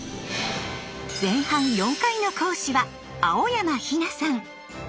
前半４回の講師は蒼山日菜さん！